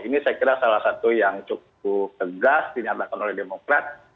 ini saya kira salah satu yang cukup tegas dinyatakan oleh demokrat